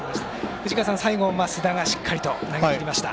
藤川さん、最後、増田がしっかりと投げきりました。